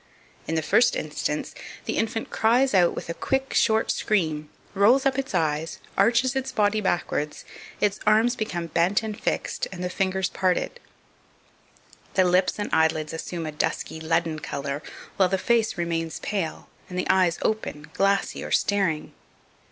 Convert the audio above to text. In the first instance, the infant cries out with a quick, short scream, rolls up its eyes, arches its body backwards, its arms become bent and fixed, and the fingers parted; the lips and eyelids assume a dusky leaden colour, while the face remains pale, and the eyes open, glassy, or staring.